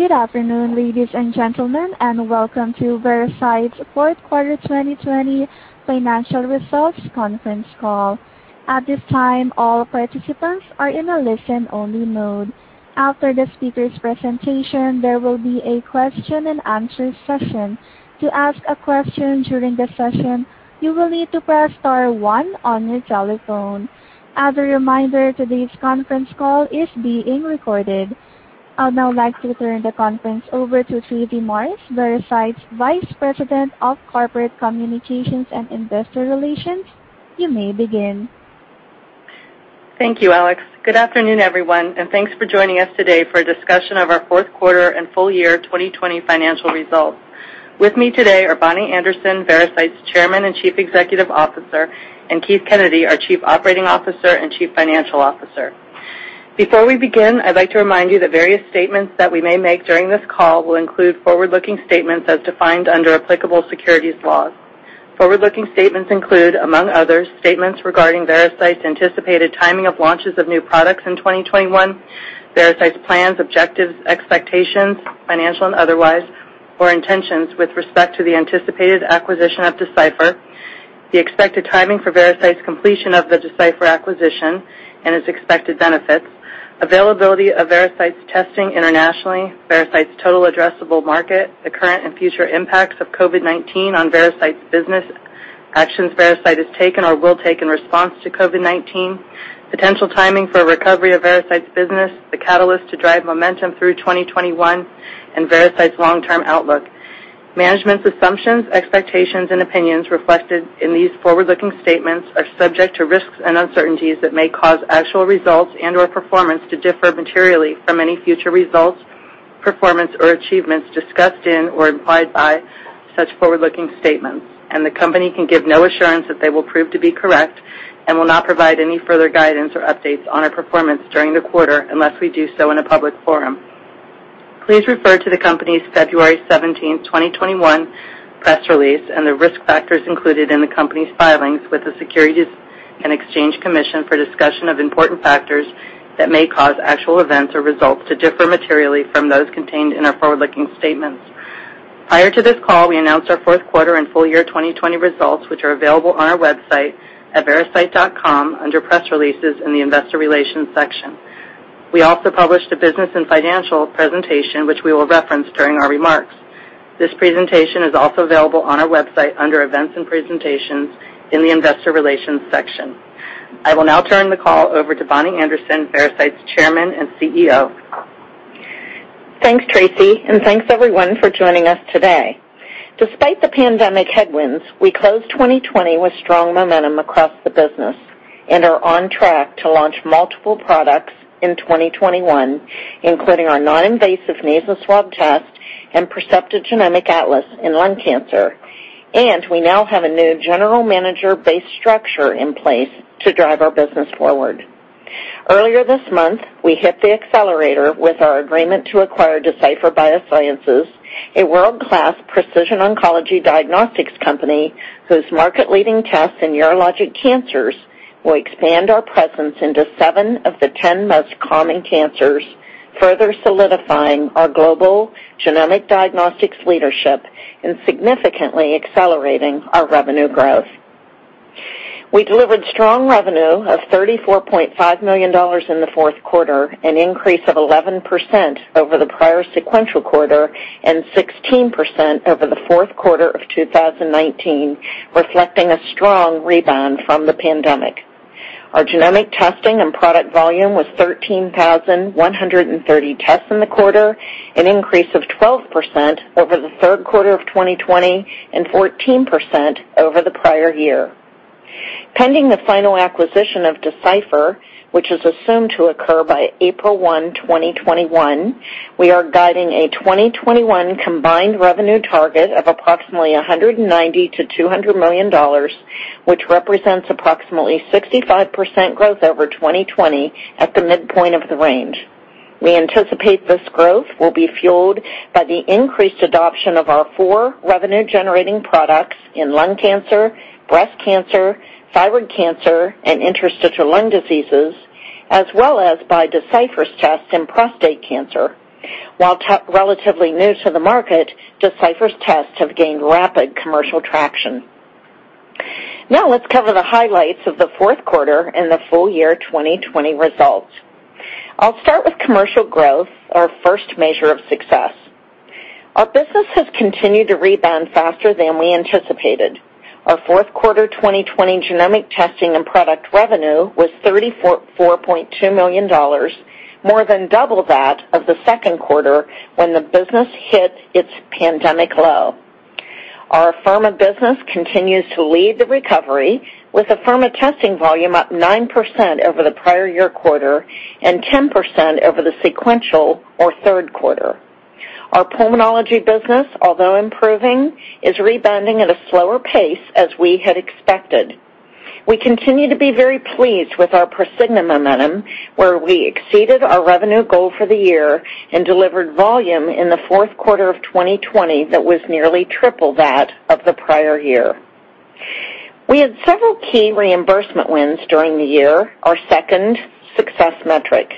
Good afternoon, ladies and gentlemen, and welcome to Veracyte's fourth quarter 2020 financial results conference call. At this time all participants are in a listen-only mode. After the speaker's presentation there will a question-and-answer session. To ask a question during the session you will need to press star one on your telephone. As a reminder today's conference call is being recorded. I'd now like to turn the conference over to Tracy Morris, Veracyte's Vice President of Corporate Communications and Investor Relations. You may begin. Thank you, Alex. Good afternoon, everyone. Thanks for joining us today for a discussion of our fourth quarter and full year 2020 financial results. With me today are Bonnie Anderson, Veracyte's Chairman and Chief Executive Officer, and Keith Kennedy, our Chief Operating Officer and Chief Financial Officer. Before we begin, I'd like to remind you that various statements that we may make during this call will include forward-looking statements as defined under applicable securities laws. Forward-looking statements include, among others, statements regarding Veracyte's anticipated timing of launches of new products in 2021, Veracyte's plans, objectives, expectations, financial and otherwise, or intentions with respect to the anticipated acquisition of Decipher, the expected timing for Veracyte's completion of the Decipher acquisition and its expected benefits, availability of Veracyte's testing internationally, Veracyte's total addressable market, the current and future impacts of COVID-19 on Veracyte's business, actions Veracyte has taken or will take in response to COVID-19, potential timing for recovery of Veracyte's business, the catalyst to drive momentum through 2021, and Veracyte's long-term outlook. Management's assumptions, expectations, and opinions reflected in these forward-looking statements are subject to risks and uncertainties that may cause actual results and/or performance to differ materially from any future results, performance, or achievements discussed in or implied by such forward-looking statements, and the company can give no assurance that they will prove to be correct and will not provide any further guidance or updates on our performance during the quarter unless we do so in a public forum. Please refer to the company's February 17th, 2021, press release and the risk factors included in the company's filings with the Securities and Exchange Commission for discussion of important factors that may cause actual events or results to differ materially from those contained in our forward-looking statements. Prior to this call, we announced our fourth quarter and full year 2020 results, which are available on our website at veracyte.com under Press Releases in the Investor Relations section. We also published a business and financial presentation, which we will reference during our remarks. This presentation is also available on our website under Events and Presentations in the Investor Relations section. I will now turn the call over to Bonnie Anderson, Veracyte's Chairman and CEO. Thanks, Tracy, and thanks, everyone, for joining us today. Despite the pandemic headwinds, we closed 2020 with strong momentum across the business and are on track to launch multiple products in 2021, including our non-invasive nasal swab test and Percepta Genomic Atlas in lung cancer. We now have a new general manager-based structure in place to drive our business forward. Earlier this month, we hit the accelerator with our agreement to acquire Decipher Biosciences, a world-class precision oncology diagnostics company whose market-leading tests in urologic cancers will expand our presence into seven of the 10 most common cancers, further solidifying our global genomic diagnostics leadership and significantly accelerating our revenue growth. We delivered strong revenue of $34.5 million in the fourth quarter, an increase of 11% over the prior sequential quarter and 16% over the fourth quarter of 2019, reflecting a strong rebound from the pandemic. Our genomic testing and product volume was 13,130 tests in the quarter, an increase of 12% over the third quarter of 2020 and 14% over the prior year. Pending the final acquisition of Decipher, which is assumed to occur by April 1, 2021, we are guiding a 2021 combined revenue target of approximately $190 million-$200 million, which represents approximately 65% growth over 2020 at the midpoint of the range. We anticipate this growth will be fueled by the increased adoption of our four revenue-generating products in lung cancer, breast cancer, thyroid cancer, and interstitial lung diseases, as well as by Decipher's tests in prostate cancer. While relatively new to the market, Decipher's tests have gained rapid commercial traction. Let's cover the highlights of the fourth quarter and the full year 2020 results. I'll start with commercial growth, our first measure of success. Our business has continued to rebound faster than we anticipated. Our fourth quarter 2020 genomic testing and product revenue was $34.2 million, more than double that of the second quarter when the business hit its pandemic low. Our Afirma business continues to lead the recovery, with Afirma testing volume up 9% over the prior year quarter and 10% over the sequential or third quarter. Our pulmonology business, although improving, is rebounding at a slower pace as we had expected. We continue to be very pleased with our Prosigna momentum, where we exceeded our revenue goal for the year and delivered volume in the fourth quarter of 2020 that was nearly triple that of the prior year. We had several key reimbursement wins during the year, our second success metric.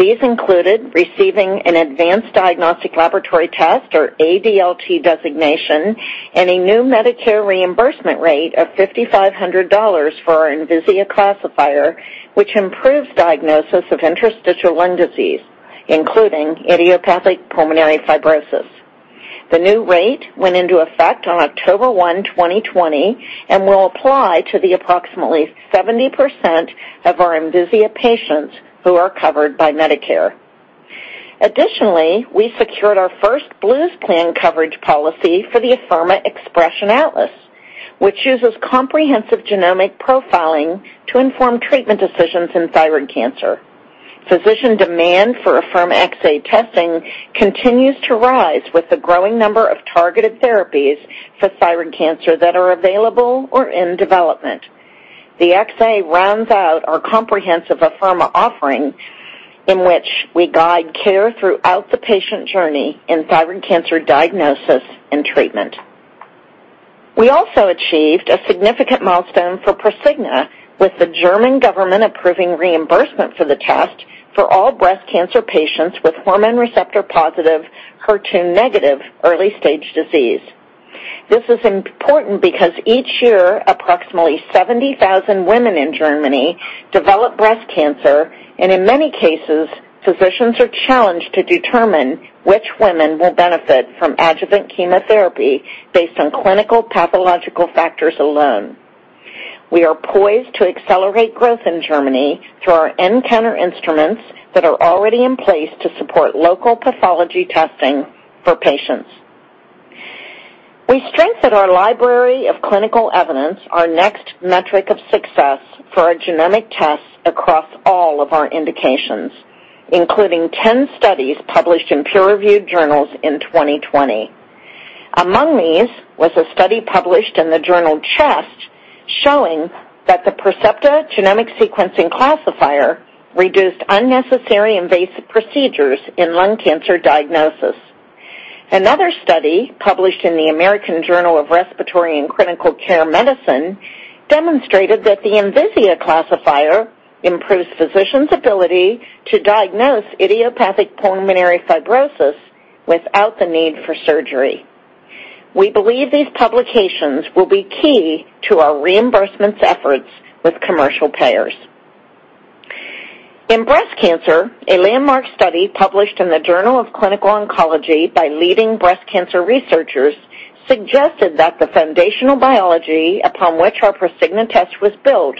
These included receiving an Advanced Diagnostic Laboratory Test, or ADLT designation, and a new Medicare reimbursement rate of $5,500 for our Envisia Classifier, which improves diagnosis of interstitial lung disease, including idiopathic pulmonary fibrosis. The new rate went into effect on October 1, 2020, and will apply to the approximately 70% of our Envisia patients who are covered by Medicare. We secured our first Blues plan coverage policy for the Afirma Xpression Atlas, which uses comprehensive genomic profiling to inform treatment decisions in thyroid cancer. Physician demand for Afirma XA testing continues to rise with the growing number of targeted therapies for thyroid cancer that are available or in development. The XA rounds out our comprehensive Afirma offering, in which we guide care throughout the patient journey in thyroid cancer diagnosis and treatment. We also achieved a significant milestone for Prosigna with the German government approving reimbursement for the test for all breast cancer patients with hormone receptor-positive, HER2-negative early-stage disease. This is important because each year, approximately 70,000 women in Germany develop breast cancer, and in many cases, physicians are challenged to determine which women will benefit from adjuvant chemotherapy based on clinical pathological factors alone. We are poised to accelerate growth in Germany through our nCounter instruments that are already in place to support local pathology testing for patients. We strengthened our library of clinical evidence, our next metric of success, for our genomic tests across all of our indications, including 10 studies published in peer-reviewed journals in 2020. Among these was a study published in the journal CHEST showing that the Percepta Genomic Sequencing Classifier reduced unnecessary invasive procedures in lung cancer diagnosis. Another study, published in the American Journal of Respiratory and Critical Care Medicine, demonstrated that the Envisia classifier improves physicians' ability to diagnose idiopathic pulmonary fibrosis without the need for surgery. We believe these publications will be key to our reimbursement's efforts with commercial payers. In breast cancer, a landmark study published in the Journal of Clinical Oncology by leading breast cancer researchers suggested that the foundational biology upon which our Prosigna test was built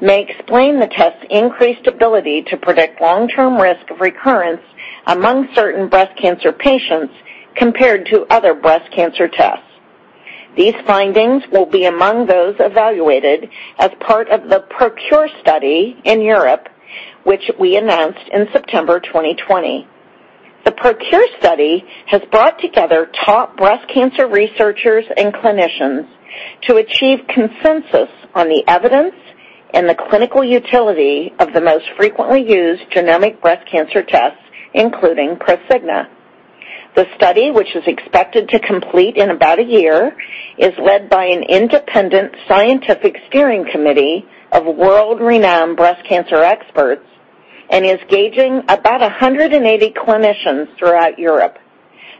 may explain the test's increased ability to predict long-term risk of recurrence among certain breast cancer patients compared to other breast cancer tests. These findings will be among those evaluated as part of the PROCURE study in Europe, which we announced in September 2020. The PROCURE study has brought together top breast cancer researchers and clinicians to achieve consensus on the evidence and the clinical utility of the most frequently used genomic breast cancer tests, including Prosigna. The study, which is expected to complete in about a year, is led by an independent scientific steering committee of world-renowned breast cancer experts and is gauging about 180 clinicians throughout Europe.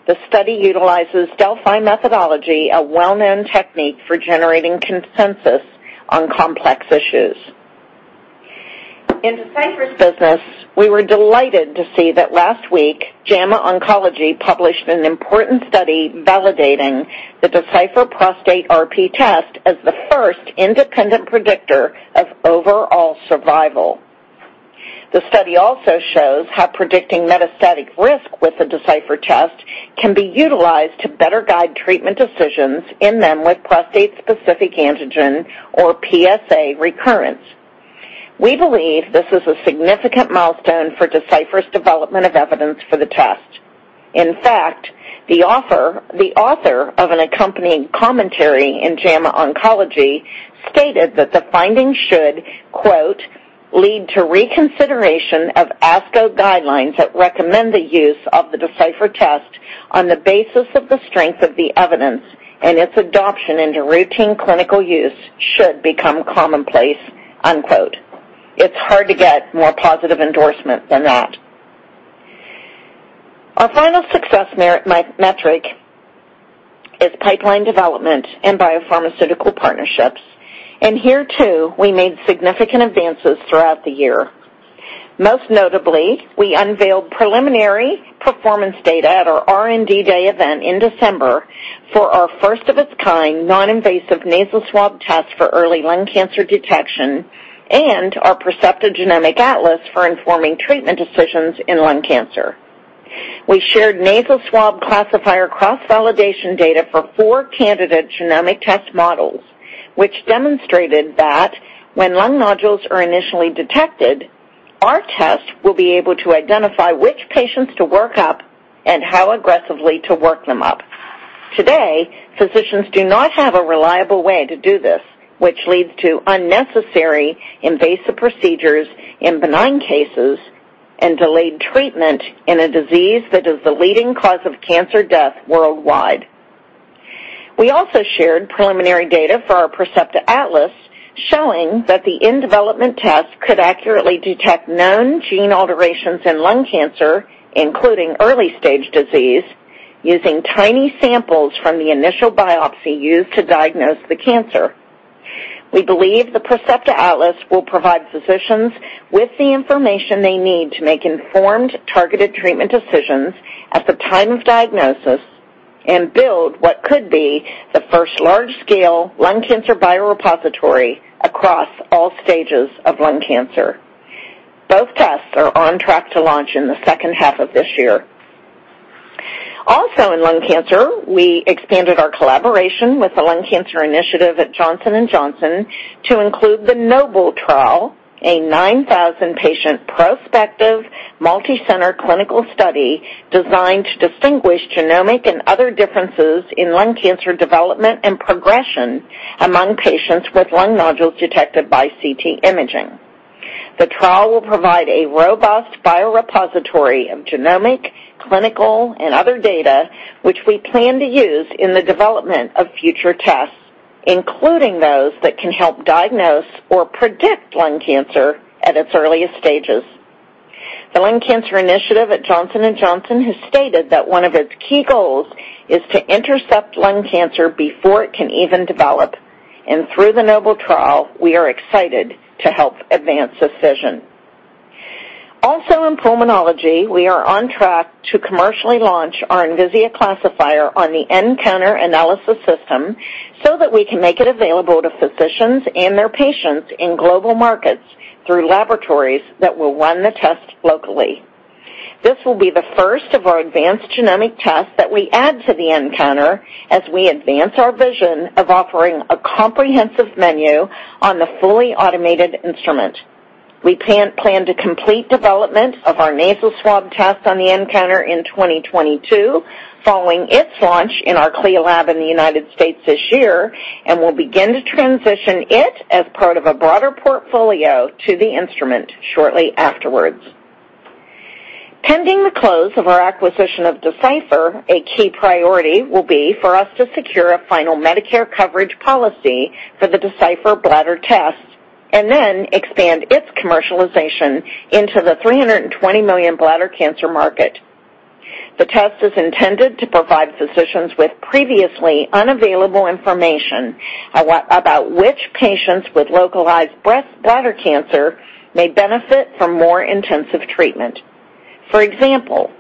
The study utilizes Delphi methodology, a well-known technique for generating consensus on complex issues. In Decipher's business, we were delighted to see that last week, JAMA Oncology published an important study validating the Decipher Prostate RP test as the first independent predictor of overall survival. The study also shows how predicting metastatic risk with the Decipher test can be utilized to better guide treatment decisions in men with Prostate-Specific Antigen, or PSA, recurrence. We believe this is a significant milestone for Decipher's development of evidence for the test. The author of an accompanying commentary in JAMA Oncology stated that the finding should, quote, "Lead to reconsideration of ASCO guidelines that recommend the use of the Decipher test on the basis of the strength of the evidence and its adoption into routine clinical use should become commonplace." unquote. It's hard to get more positive endorsement than that. Our final success metric is pipeline development and biopharmaceutical partnerships. Here too, we made significant advances throughout the year. Most notably, we unveiled preliminary performance data at our R&D Day event in December for our first of its kind non-invasive nasal swab test for early lung cancer detection and our Percepta Genomic Atlas for informing treatment decisions in lung cancer. We shared nasal swab classifier cross-validation data for four candidate genomic test models, which demonstrated that when lung nodules are initially detected, our test will be able to identify which patients to work up and how aggressively to work them up. Today, physicians do not have a reliable way to do this, which leads to unnecessary invasive procedures in benign cases. Delayed treatment in a disease that is the leading cause of cancer death worldwide. We also shared preliminary data for our Percepta Genomic Atlas, showing that the in-development test could accurately detect known gene alterations in lung cancer, including early-stage disease, using tiny samples from the initial biopsy used to diagnose the cancer. We believe the Percepta Atlas will provide physicians with the information they need to make informed, targeted treatment decisions at the time of diagnosis and build what could be the first large-scale lung cancer biorepository across all stages of lung cancer. Both tests are on track to launch in the second half of this year. Also, in lung cancer, we expanded our collaboration with the Lung Cancer Initiative at Johnson & Johnson to include the NOBLE trial, a 9,000-patient prospective multi-center clinical study designed to distinguish genomic and other differences in lung cancer development and progression among patients with lung nodules detected by CT imaging. The trial will provide a robust biorepository of genomic, clinical, and other data which we plan to use in the development of future tests, including those that can help diagnose or predict lung cancer at its earliest stages. The Lung Cancer Initiative at Johnson & Johnson has stated that one of its key goals is to intercept lung cancer before it can even develop, and through the NOBLE trial, we are excited to help advance this vision. Also, in pulmonology, we are on track to commercially launch our Envisia classifier on the nCounter Analysis System so that we can make it available to physicians and their patients in global markets through laboratories that will run the test locally. This will be the first of our advanced genomic tests that we add to the nCounter as we advance our vision of offering a comprehensive menu on the fully automated instrument. We plan to complete development of our nasal swab test on the nCounter in 2022, following its launch in our CLIA lab in the United States this year, and will begin to transition it as part of a broader portfolio to the instrument shortly afterwards. Pending the close of our acquisition of Decipher, a key priority will be for us to secure a final Medicare coverage policy for the Decipher Bladder test and then expand its commercialization into the $320 million bladder cancer market. The test is intended to provide physicians with previously unavailable information about which patients with localized bladder cancer may benefit from more intensive treatment. For example,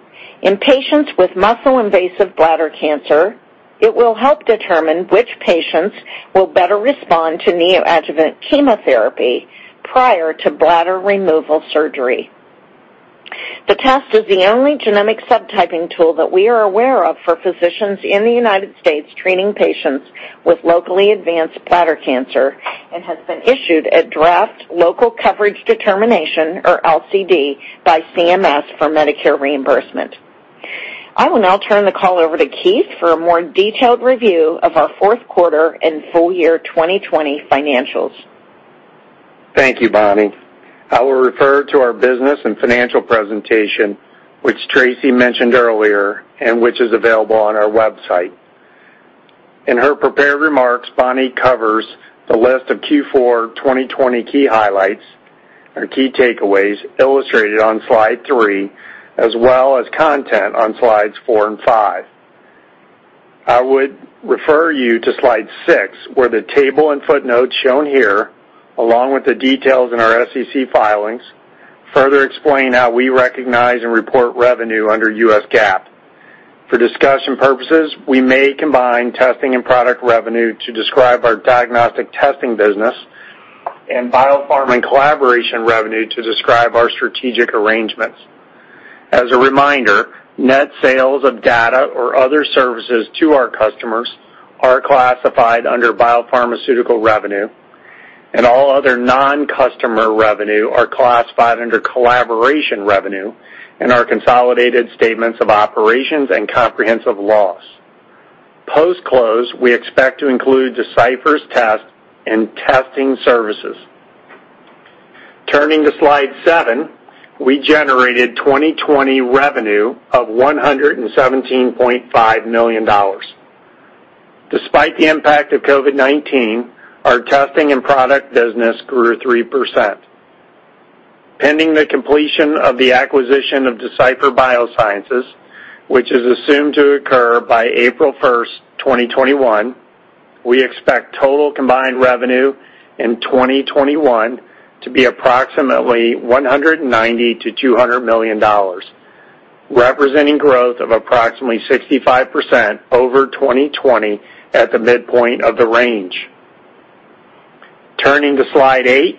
in patients with muscle-invasive bladder cancer, it will help determine which patients will better respond to neoadjuvant chemotherapy prior to bladder removal surgery. The test is the only genomic subtyping tool that we are aware of for physicians in the United States treating patients with locally advanced bladder cancer and has been issued a draft Local Coverage Determination, or LCD, by CMS for Medicare reimbursement. I will now turn the call over to Keith for a more detailed review of our fourth quarter and full year 2020 financials. Thank you, Bonnie. I will refer to our business and financial presentation, which Tracy mentioned earlier, and which is available on our website. In her prepared remarks, Bonnie covers the list of Q4 2020 key highlights and key takeaways illustrated on slide three, as well as content on slides four and five. I would refer you to slide six, where the table and footnotes shown here, along with the details in our SEC filings, further explain how we recognize and report revenue under US GAAP. For discussion purposes, we may combine testing and product revenue to describe our diagnostic testing business and biopharma and collaboration revenue to describe our strategic arrangements. As a reminder, net sales of data or other services to our customers are classified under biopharmaceutical revenue, all other non-customer revenue are classified under collaboration revenue and our consolidated statements of operations and comprehensive loss. Post-close, we expect to include Decipher's test in testing services. Turning to slide seven, we generated 2020 revenue of $117.5 million. Despite the impact of COVID-19, our testing and product business grew 3%. Pending the completion of the acquisition of Decipher Biosciences, which is assumed to occur by April 1st, 2021, we expect total combined revenue in 2021 to be approximately $190 million-$200 million, representing growth of approximately 65% over 2020 at the midpoint of the range. Turning to slide eight,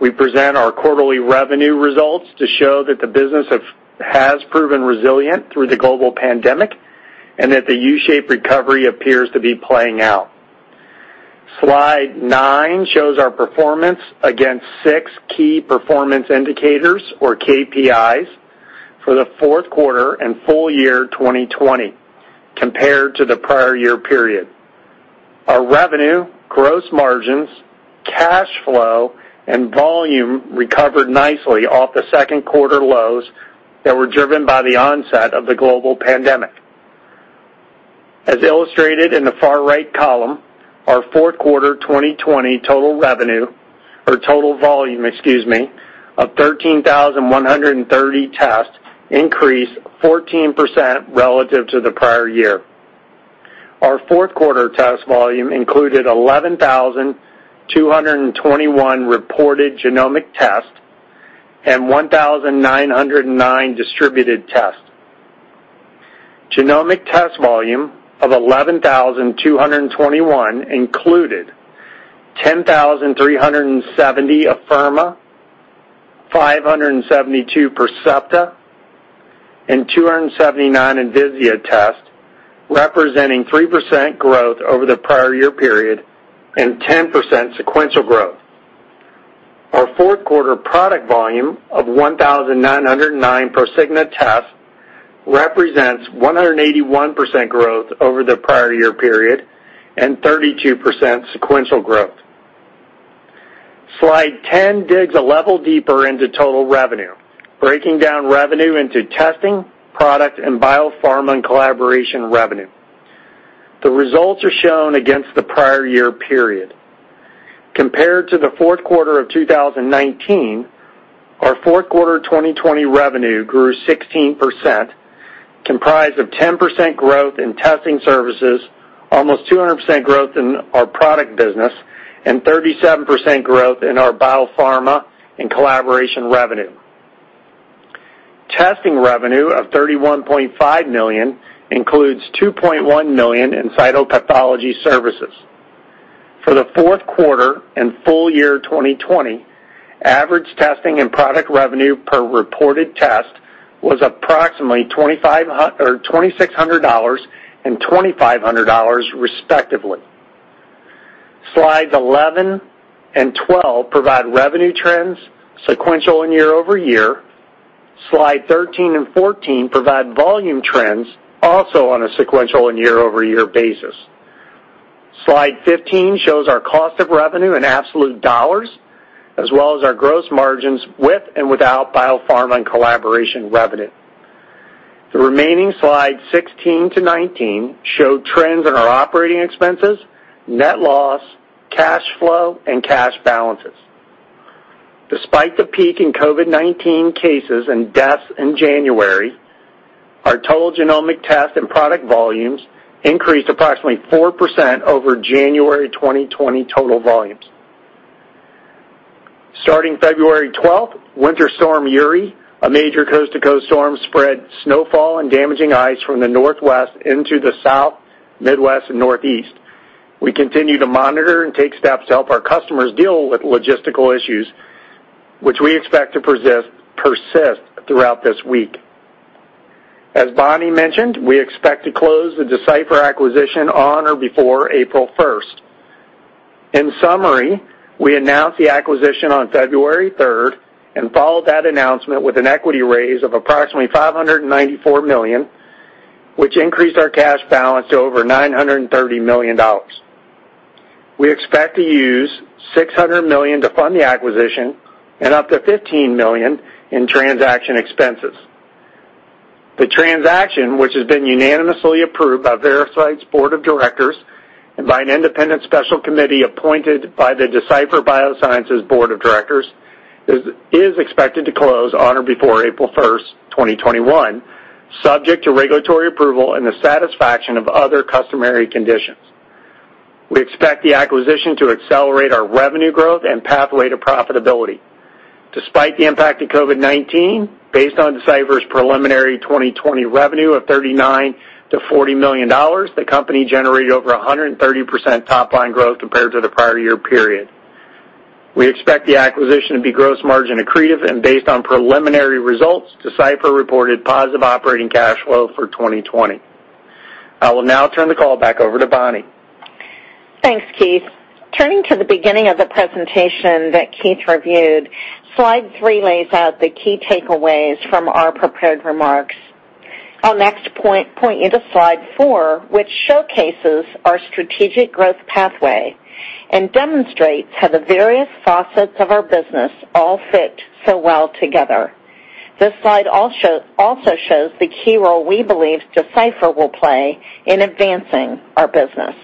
we present our quarterly revenue results to show that the business has proven resilient through the global pandemic and that the U-shaped recovery appears to be playing out. Slide nine shows our performance against six key performance indicators, or KPIs, for the fourth quarter and full year 2020 compared to the prior year period. Our revenue, gross margins, cash flow, and volume recovered nicely off the second quarter lows that were driven by the onset of the global pandemic. As illustrated in the far-right column, our fourth quarter 2020 total volume of 13,130 tests increased 14% relative to the prior year. Our fourth quarter test volume included 11,221 reported genomic tests and 1,909 distributed tests. Genomic test volume of 11,221 included 10,370 Afirma, 572 Percepta, and 279 Envisia tests, representing 3% growth over the prior year period and 10% sequential growth. Our fourth quarter product volume of 1,909 Prosigna tests represents 181% growth over the prior year period and 32% sequential growth. Slide 10 digs a level deeper into total revenue, breaking down revenue into testing, product, and biopharma and collaboration revenue. The results are shown against the prior year period. Compared to the fourth quarter of 2019, our fourth quarter 2020 revenue grew 16%, comprised of 10% growth in testing services, almost 200% growth in our product business, and 37% growth in our biopharma and collaboration revenue. Testing revenue of $31.5 million includes $2.1 million in cytopathology services. For the fourth quarter and full year 2020, average testing and product revenue per reported test was approximately $2,600 and $2,500 respectively. Slides 11 and 12 provide revenue trends, sequential and year-over-year. Slide 13 and 14 provide volume trends, also on a sequential and year-over-year basis. Slide 15 shows our cost of revenue in absolute dollars, as well as our gross margins with and without biopharma and collaboration revenue. The remaining slides 16 to 19 show trends in our operating expenses, net loss, cash flow, and cash balances. Despite the peak in COVID-19 cases and deaths in January, our total genomic test and product volumes increased approximately 4% over January 2020 total volumes. Starting February 12th, Winter Storm Uri, a major coast-to-coast storm, spread snowfall and damaging ice from the Northwest into the South, Midwest, and Northeast. We continue to monitor and take steps to help our customers deal with logistical issues, which we expect to persist throughout this week. As Bonnie mentioned, we expect to close the Decipher acquisition on or before April 1st. In summary, we announced the acquisition on February 3rd and followed that announcement with an equity raise of approximately $594 million, which increased our cash balance to over $930 million. We expect to use $600 million to fund the acquisition and up to $15 million in transaction expenses. The transaction, which has been unanimously approved by Veracyte's Board of Directors and by an independent special committee appointed by the Decipher Biosciences Board of Directors, is expected to close on or before April 1st, 2021, subject to regulatory approval and the satisfaction of other customary conditions. We expect the acquisition to accelerate our revenue growth and pathway to profitability. Despite the impact of COVID-19, based on Decipher's preliminary 2020 revenue of $39 million-$40 million, the company generated over 130% top-line growth compared to the prior year period. We expect the acquisition to be gross margin accretive, and based on preliminary results, Decipher reported positive operating cash flow for 2020. I will now turn the call back over to Bonnie. Thanks, Keith. Turning to the beginning of the presentation that Keith reviewed, slide three lays out the key takeaways from our prepared remarks. I'll next point you to slide four, which showcases our strategic growth pathway and demonstrates how the various facets of our business all fit so well together. This slide also shows the key role we believe Decipher will play in advancing our business.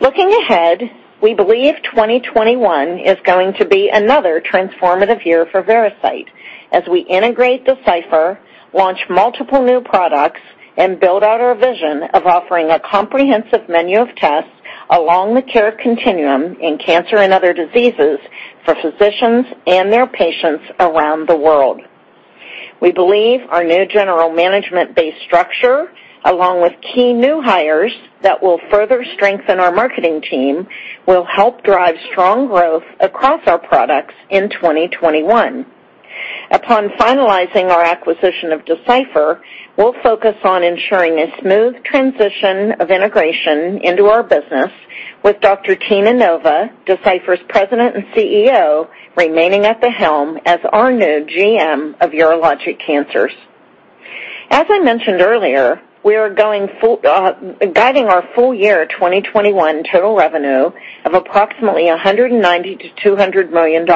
Looking ahead, we believe 2021 is going to be another transformative year for Veracyte as we integrate Decipher, launch multiple new products, and build out our vision of offering a comprehensive menu of tests along the care continuum in cancer and other diseases for physicians and their patients around the world. We believe our new general management-based structure, along with key new hires that will further strengthen our marketing team, will help drive strong growth across our products in 2021. Upon finalizing our acquisition of Decipher, we'll focus on ensuring a smooth transition of integration into our business with Dr. Tina Nova, Decipher's President and CEO, remaining at the helm as our new GM of urologic cancers. As I mentioned earlier, we are guiding our full year 2021 total revenue of approximately $190 million-$200 million.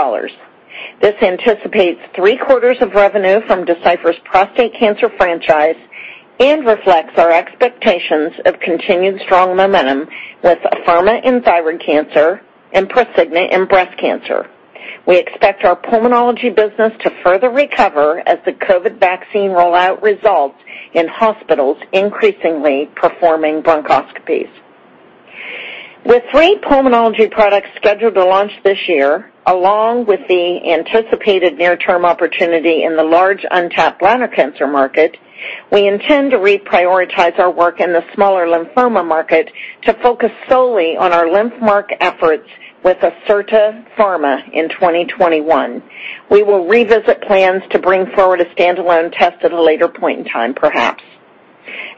This anticipates three quarters of revenue from Decipher's prostate cancer franchise and reflects our expectations of continued strong momentum with Afirma in thyroid cancer and Prosigna in breast cancer. We expect our pulmonology business to further recover as the COVID vaccine rollout results in hospitals increasingly performing bronchoscopies. With three pulmonology products scheduled to launch this year, along with the anticipated near-term opportunity in the large, untapped bladder cancer market, we intend to reprioritize our work in the smaller lymphoma market to focus solely on our LymphMark efforts with Acerta Pharma in 2021. We will revisit plans to bring forward a standalone test at a later point in time, perhaps.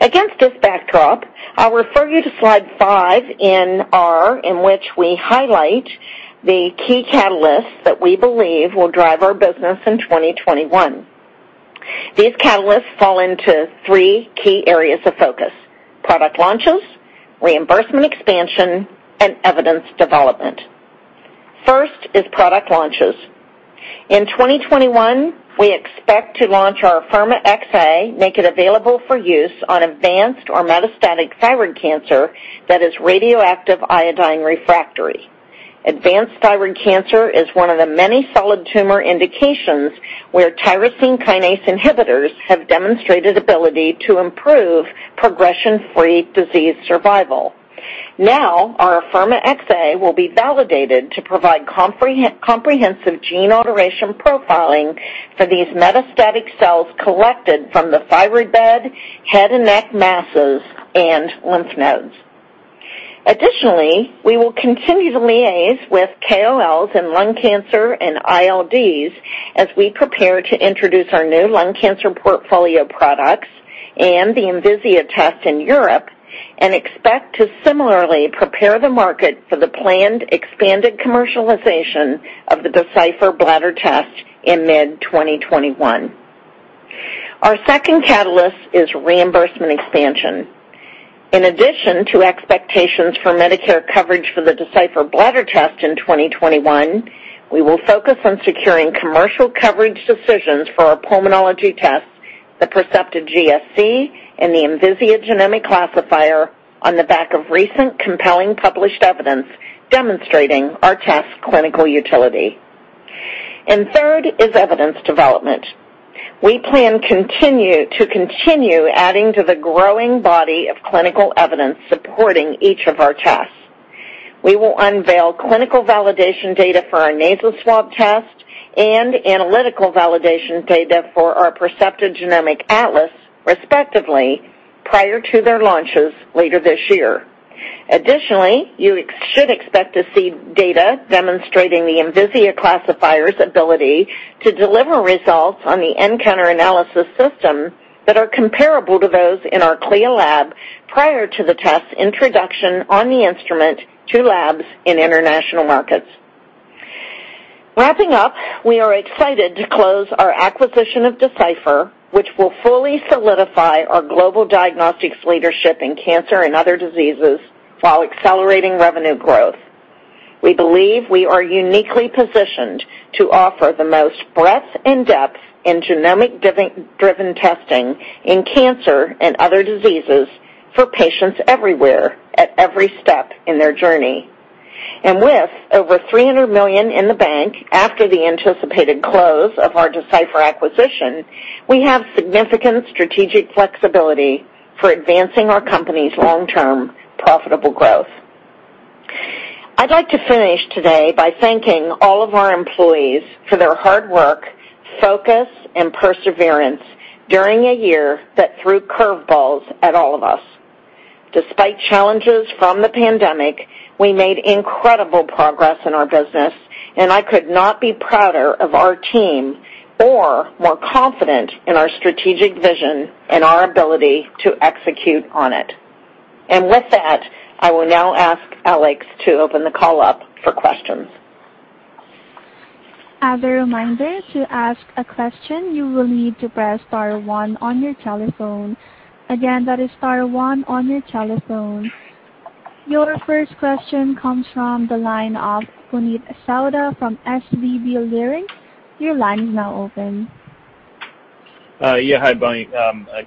Against this backdrop, I'll refer you to slide five in which we highlight the key catalysts that we believe will drive our business in 2021. These catalysts fall into three key areas of focus: product launches, reimbursement expansion, and evidence development. First is product launches. In 2021, we expect to launch our Afirma Xpression Atlas, make it available for use on advanced or metastatic thyroid cancer that is radioactive iodine refractory. Advanced thyroid cancer is one of the many solid tumor indications where tyrosine kinase inhibitors have demonstrated ability to improve progression-free disease survival. Now, our Afirma Xpression Atlas will be validated to provide comprehensive gene alteration profiling for these metastatic cells collected from the thyroid bed, head and neck masses, and lymph nodes. Additionally, we will continue to liaise with KOLs in lung cancer and ILDs as we prepare to introduce our new lung cancer portfolio products and the Envisia test in Europe, and expect to similarly prepare the market for the planned expanded commercialization of the Decipher Bladder test in mid-2021. Our second catalyst is reimbursement expansion. In addition to expectations for Medicare coverage for the Decipher Bladder test in 2021, we will focus on securing commercial coverage decisions for our pulmonology test, the Percepta GSC, and the Envisia Genomic Classifier on the back of recent compelling published evidence demonstrating our test's clinical utility. Third is evidence development. We plan to continue adding to the growing body of clinical evidence supporting each of our tests. We will unveil clinical validation data for our nasal swab test and analytical validation data for our Percepta Genomic Atlas, respectively, prior to their launches later this year. Additionally, you should expect to see data demonstrating the Envisia Classifier's ability to deliver results on the nCounter Analysis System that are comparable to those in our CLIA lab prior to the test's introduction on the instrument to labs in international markets. Wrapping up, we are excited to close our acquisition of Decipher, which will fully solidify our global diagnostics leadership in cancer and other diseases while accelerating revenue growth. We believe we are uniquely positioned to offer the most breadth and depth in genomic-driven testing in cancer and other diseases for patients everywhere, at every step in their journey. With over $300 million in the bank after the anticipated close of our Decipher acquisition, we have significant strategic flexibility for advancing our company's long-term profitable growth. I'd like to finish today by thanking all of our employees for their hard work, focus, and perseverance during a year that threw curve balls at all of us. Despite challenges from the pandemic, we made incredible progress in our business, and I could not be prouder of our team or more confident in our strategic vision and our ability to execute on it. With that, I will now ask Alex to open the call up for questions. As a reminder, to ask a question, you will need to press star one on your telephone. Again, that is star one on your telephone. Your first question comes from the line of Puneet Souda from SVB Leerink. Your line is now open. Yeah. Hi, Bonnie.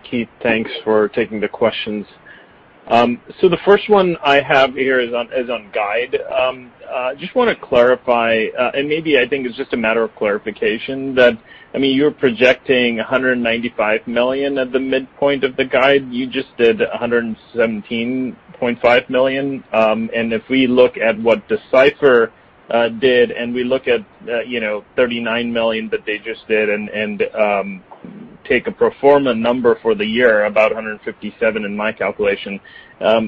Keith, thanks for taking the questions. The first one I have here is on guide. Just want to clarify, and maybe I think it's just a matter of clarification that, you're projecting $195 million at the midpoint of the guide. You just did $117.5 million. If we look at what Decipher did, and we look at $39 million that they just did and take a pro forma number for the year, about $157 million in my calculation,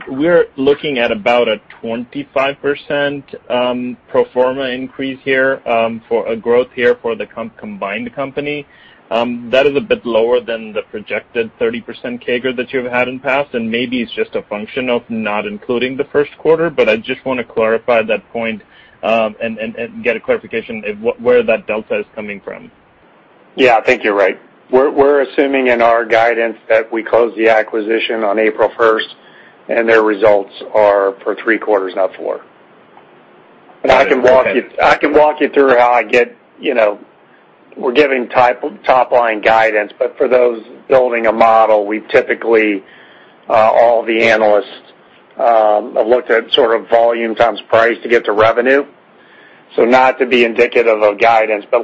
we're looking at about a 25% pro forma increase here for a growth here for the combined company. That is a bit lower than the projected 30% CAGR that you've had in past, and maybe it's just a function of not including the first quarter, but I just want to clarify that point and get a clarification where that delta is coming from. Yeah, I think you're right. We're assuming in our guidance that we close the acquisition on April 1st, and their results are for three quarters, not four. Okay. I can walk you through. We're giving top-line guidance, but for those building a model, we typically, all the analysts, have looked at volume times price to get to revenue. Not to be indicative of guidance but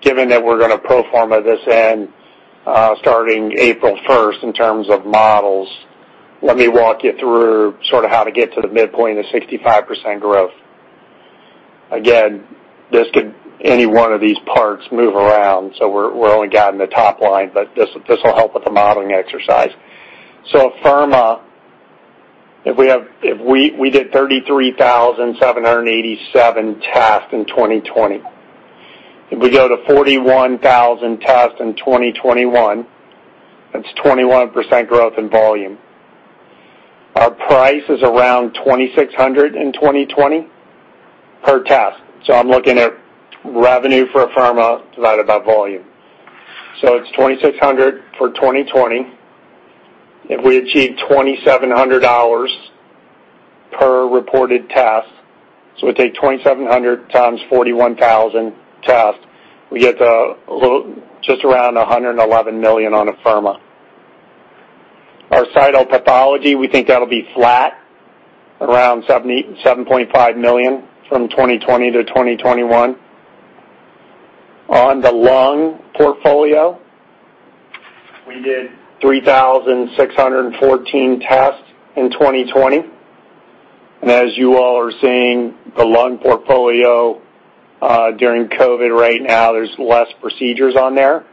given that we're going to pro forma this in starting April 1st in terms of models, let me walk you through how to get to the midpoint of 65% growth. Again, any one of these parts move around, we're only guiding the top line, but this will help with the modeling exercise. Afirma, we did 33,787 tests in 2020. If we go to 41,000 tests in 2021, that's 21% growth in volume. Our price is around $2,600 in 2020 per test. I'm looking at revenue for Afirma divided by volume. It's $2,600 for 2020. If we achieve $2,700 per reported test, we take 2,700 x 41,000 tests, we get to just around $111 million on Afirma. Our cytopathology, we think that'll be flat, around $7.5 million from 2020 to 2021. On the lung portfolio, we did 3,614 tests in 2020. As you all are seeing, the lung portfolio during COVID right now, there's less procedures on there.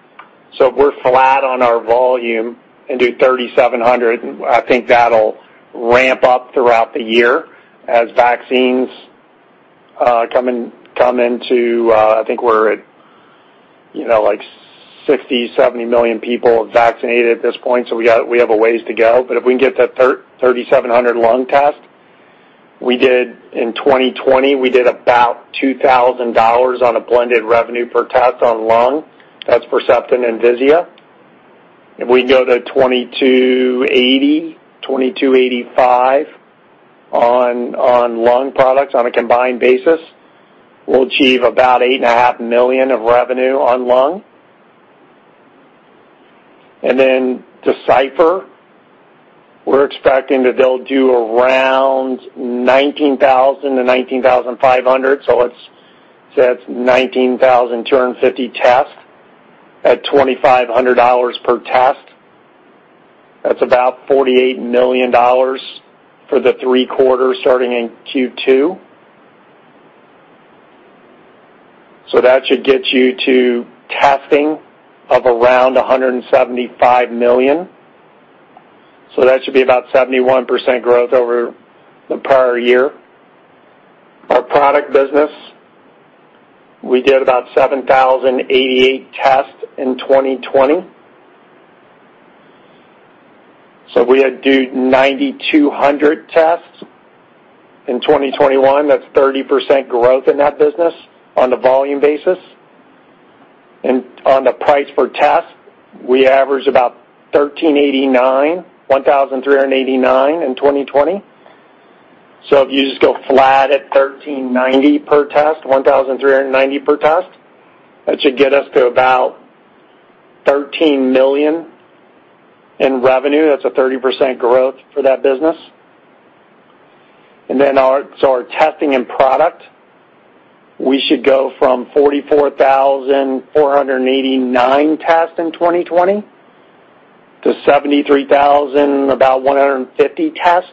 If we're flat on our volume and do 3,700, I think that'll ramp up throughout the year as vaccines come into, I think we're at 60 million, 70 million people vaccinated at this point, we have a ways to go. If we can get to 3,700 lung tests, in 2020, we did about $2,000 on a blended revenue per test on lung. That's Percepta and Envisia. If we can go to $2,280, $2,285 on lung products on a combined basis, we'll achieve about $8.5 million of revenue on lung. Decipher, we're expecting that they'll do around 19,000 to 19,500. Let's say that's 19,250 tests at $2,500 per test. That's about $48 million for the three quarters starting in Q2. That should get you to testing of around $175 million. That should be about 71% growth over the prior year. Our product business, we did about 7,088 tests in 2020. We had to do 9,200 tests in 2021. That's 30% growth in that business on the volume basis. On the price per test, we averaged about $1,389 in 2020. If you just go flat at $1,390 per test, that should get us to about $13 million in revenue. That's a 30% growth for that business. Our testing and product, we should go from 44,489 tests in 2020 to 73,150 tests.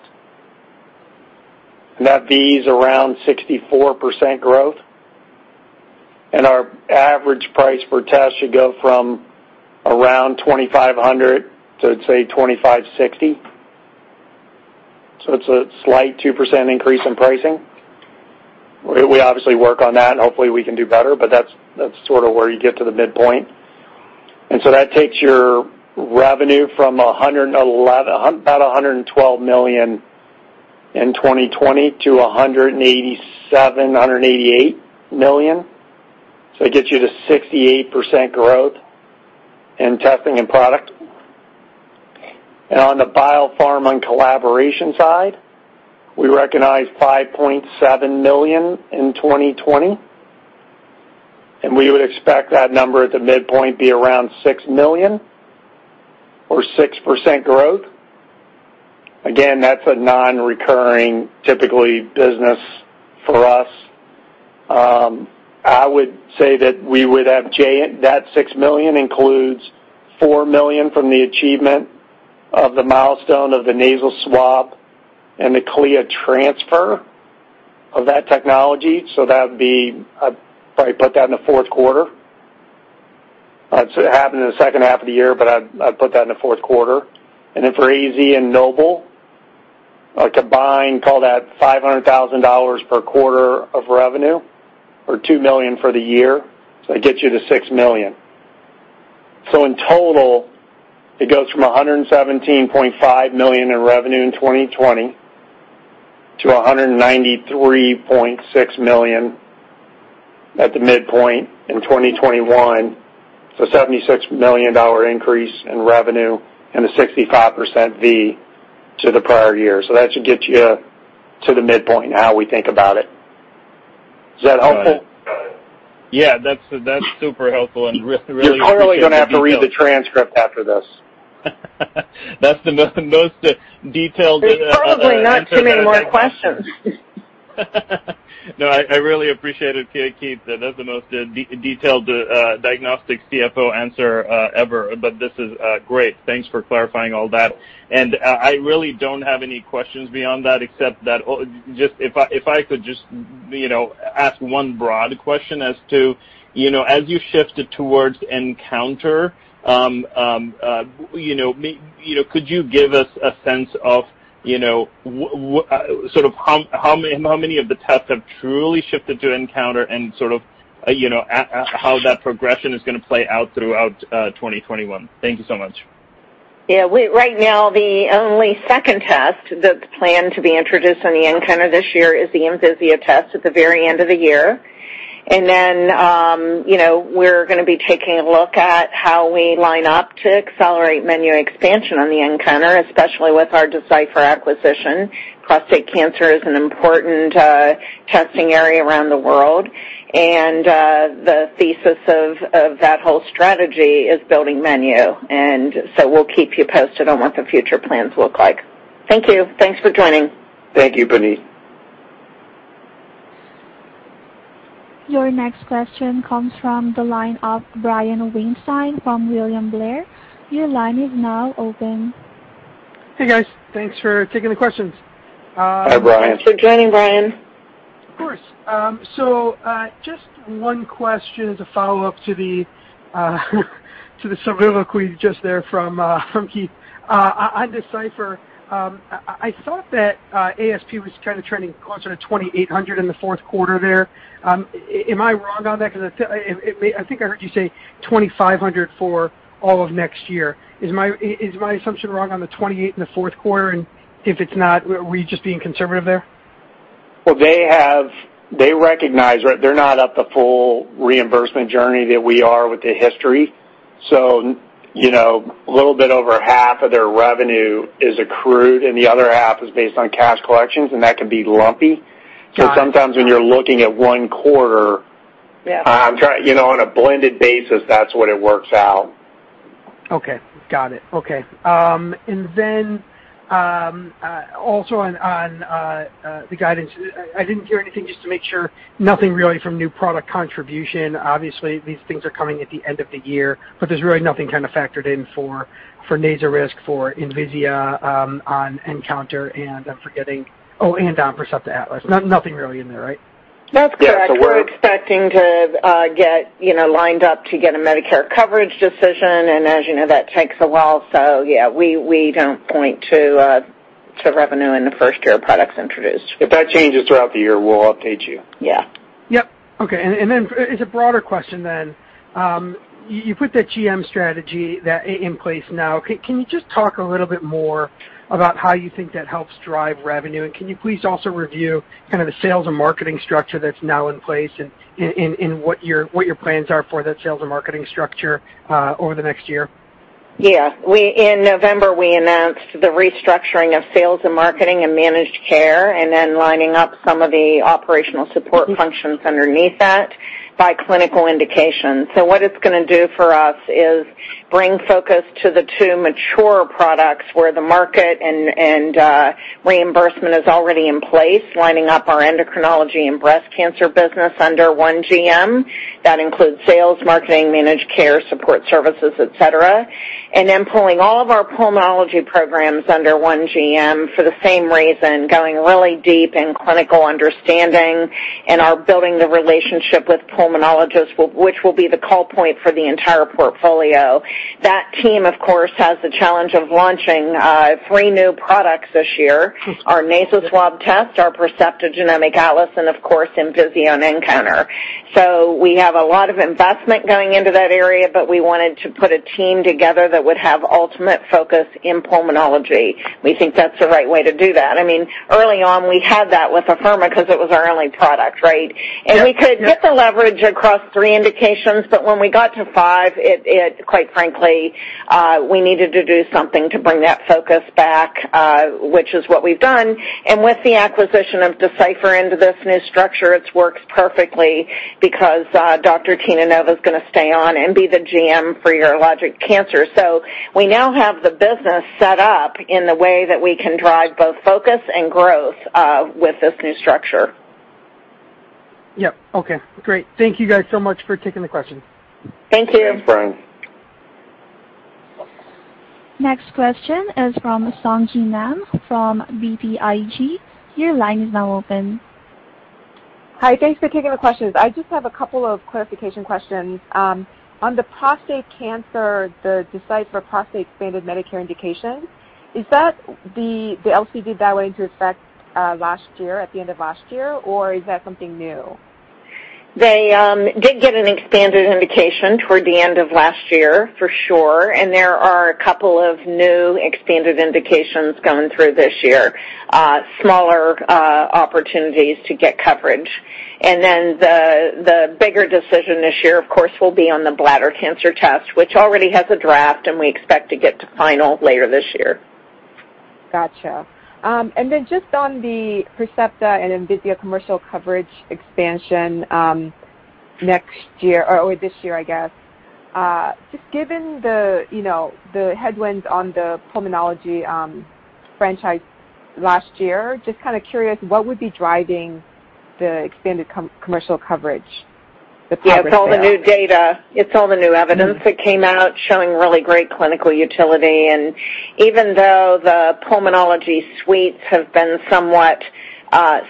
That V is around 64% growth. Our average price per test should go from around $2,500 to, let's say, $2,560. It's a slight 2% increase in pricing. We obviously work on that, and hopefully we can do better, but that's where you get to the midpoint. That takes your revenue from about $112 million in 2020 to $187 million-$188 million. It gets you to 68% growth in testing and product. On the biopharma and collaboration side, we recognized $5.7 million in 2020, and we would expect that number at the midpoint be around $6 million or 6% growth. Again, that's a non-recurring, typically, business for us. I would say that that $6 million includes $4 million from the achievement of the milestone of the nasal swab, and the CLIA transfer of that technology. I'd probably put that in the fourth quarter. It happened in the second half of the year, but I'd put that in the fourth quarter. For AZ and NOBLE, our combined, call that $500,000 per quarter of revenue, or $2 million for the year. It gets you to $6 million. In total, it goes from $117.5 million in revenue in 2020 to $193.6 million at the midpoint in 2021. $76 million increase in revenue and a 65% V to the prior year. That should get you to the midpoint in how we think about it. Is that helpful? Got it. Yeah, that's super helpful and really appreciate the details. You're probably going to have to read the transcript after this. That's the most detailed answer I've had. There's probably not too many more questions. No, I really appreciate it, Keith. That's the most detailed diagnostics CFO answer ever, but this is great. Thanks for clarifying all that. I really don't have any questions beyond that except that if I could just ask one broad question as to, as you shifted towards nCounter, could you give us a sense of how many of the tests have truly shifted to nCounter and how that progression is going to play out throughout 2021? Thank you so much. Right now, the only second test that's planned to be introduced on the nCounter this year is the Envisia test at the very end of the year. Then we're going to be taking a look at how we line up to accelerate menu expansion on the nCounter, especially with our Decipher acquisition. Prostate cancer is an important testing area around the world, the thesis of that whole strategy is building menu. So, we'll keep you posted on what the future plans look like. Thank you. Thanks for joining. Thank you, Puneet. Your next question comes from the line of Brian Weinstein from William Blair. Hey, guys. Thanks for taking the questions. Hi, Brian. Thanks for joining, Brian. Of course. Just one question as a follow-up to the real quick just there from Keith. On Decipher, I thought that ASP was kind of trending closer to $2,800 in the fourth quarter there. Am I wrong on that? I think I heard you say $2,500 for all of next year. Is my assumption wrong on the $2,800 in the fourth quarter? If it's not, were you just being conservative there? Well, they recognize they're not at the full reimbursement journey that we are with the history. A little bit over half of their revenue is accrued and the other half is based on cash collections, and that can be lumpy. Got it. Sometimes when you're looking at one quarter. Yeah. On a blended basis, that's what it works out. Okay. Got it. Okay. Also on the guidance, I didn't hear anything, just to make sure, nothing really from new product contribution. Obviously, these things are coming at the end of the year, but there's really nothing factored in for Percepta Nasal Swab Test, for Envisia on nCounter, and on Percepta Atlas. Nothing really in there, right? That's correct. Yeah. We're expecting to get lined up to get a Medicare coverage decision. As you know, that takes a while. Yeah, we don't point to revenue in the first year a product's introduced. If that changes throughout the year, we will update you. Yeah. Yep. Okay. As a broader question then. You put that GM strategy in place now. Can you just talk a little bit more about how you think that helps drive revenue? Can you please also review the sales and marketing structure that's now in place and what your plans are for that sales and marketing structure over the next year? In November, we announced the restructuring of sales and marketing and managed care, then lining up some of the operational support functions underneath that by clinical indication. What it is going to do for us is bring focus to the two mature products where the market and reimbursement is already in place, lining up our endocrinology and breast cancer business under one GM. That includes sales, marketing, managed care, support services, et cetera. Then pulling all of our pulmonology programs under one GM for the same reason, going really deep in clinical understanding and are building the relationship with pulmonologists, which will be the call point for the entire portfolio. That team, of course, has the challenge of launching three new products this year, our Percepta Nasal Swab Test, our Percepta Genomic Atlas, and of course, Envisia on nCounter. We have a lot of investment going into that area, but we wanted to put a team together that would have ultimate focus in pulmonology. We think that's the right way to do that. Early on, we had that with Afirma because it was our only product, right? Yeah. We could get the leverage across three indications, but when we got to five, quite frankly, we needed to do something to bring that focus back, which is what we've done. With the acquisition of Decipher into this new structure, it's worked perfectly because Dr. Tina Nova is going to stay on and be the GM for urologic cancers. We now have the business set up in the way that we can drive both focus and growth with this new structure. Yep. Okay, great. Thank you guys so much for taking the question. Thank you. Thanks, Brian. Next question is from Sung Ji Nam from BTIG. Your line is now open. Hi, thanks for taking the questions. I just have a couple of clarification questions. On the prostate cancer, the Decipher Prostate expanded Medicare indication, is that the LCD that went into effect last year, at the end of last year, or is that something new? They did get an expanded indication toward the end of last year, for sure, and there are a couple of new expanded indications coming through this year, smaller opportunities to get coverage. The bigger decision this year, of course, will be on the bladder cancer test, which already has a draft, and we expect to get to final later this year. Got you. Just on the Percepta and Envisia commercial coverage expansion this year, just given the headwinds on the pulmonology franchise last year, just kind of curious, what would be driving the expanded commercial coverage, the progress there? Yeah, it's all the new data, it's all the new evidence that came out showing really great clinical utility. Even though the pulmonology suites have been somewhat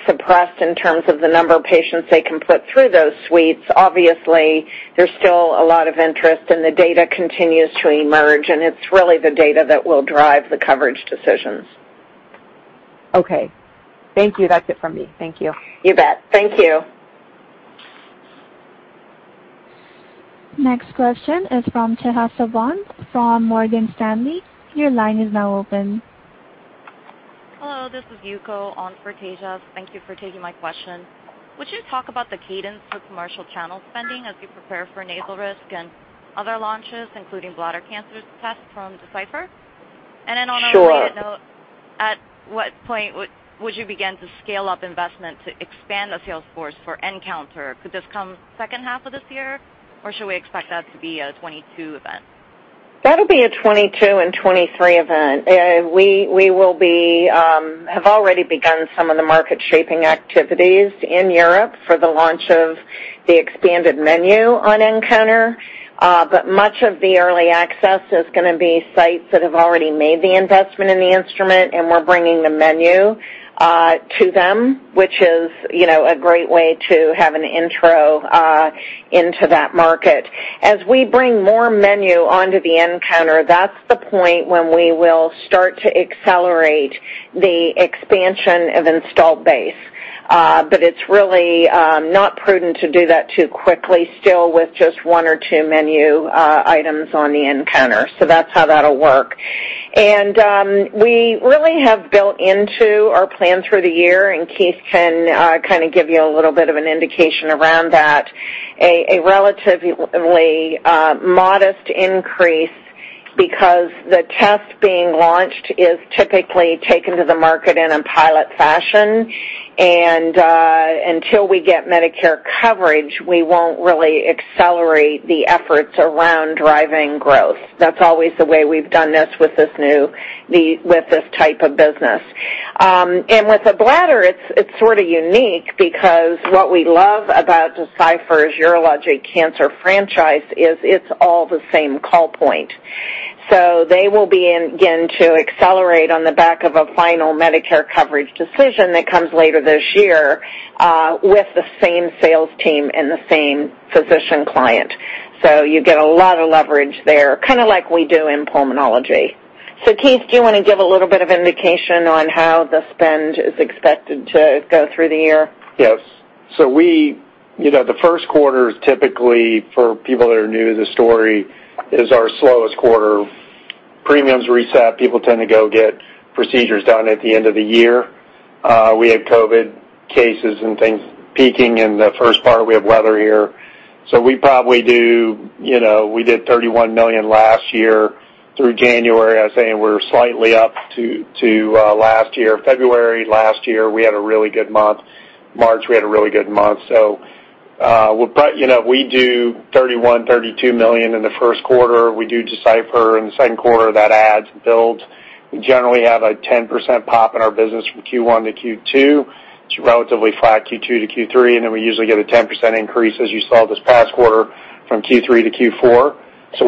suppressed in terms of the number of patients they can put through those suites, obviously, there's still a lot of interest. The data continues to emerge, and it's really the data that will drive the coverage decisions. Okay. Thank you. That's it from me. Thank you. You bet. Thank you. Next question is from Tejas Savant from Morgan Stanley. Your line is now open. Hello, this is Yuko on for Tejas. Thank you for taking my question. Would you talk about the cadence for commercial channel spending as you prepare for Percepta Nasal Swab Test and other launches, including bladder cancer test from Decipher? Sure. On a related note, at what point would you begin to scale up investment to expand the sales force for nCounter? Could this come second half of this year, or should we expect that to be a 2022 event? That'll be a 2022 and 2023 event. We have already begun some of the market-shaping activities in Europe for the launch of the expanded menu on nCounter. Much of the early access is going to be sites that have already made the investment in the instrument, and we're bringing the menu to them, which is a great way to have an intro into that market. As we bring more menu onto the nCounter, that's the point when we will start to accelerate the expansion of installed base. It's really not prudent to do that too quickly still with just one or two menu items on the nCounter. That's how that'll work. We really have built into our plan through the year, Keith can kind of give you a little bit of an indication around that, a relatively modest increase because the test being launched is typically taken to the market in a pilot fashion. Until we get Medicare coverage, we won't really accelerate the efforts around driving growth. That's always the way we've done this with this type of business. With the bladder, it's sort of unique because what we love about Decipher's urologic cancer franchise is it's all the same call point. They will begin to accelerate on the back of a final Medicare coverage decision that comes later this year with the same sales team and the same physician client. You get a lot of leverage there, kind of like we do in pulmonology. Keith, do you want to give a little bit of indication on how the spend is expected to go through the year? Yes. The first quarter is typically, for people that are new to the story, is our slowest quarter. Premiums reset. People tend to go get procedures done at the end of the year. We had COVID cases and things peaking in the first part. We have weather here. We did $31 million last year through January. I was saying we're slightly up to last year. February last year, we had a really good month. March, we had a really good month. We do $31 million, $32 million in the first quarter. We do Decipher in the second quarter. That adds, builds. We generally have a 10% pop in our business from Q1 to Q2. It's relatively flat Q2 to Q3, and then we usually get a 10% increase, as you saw this past quarter, from Q3 to Q4.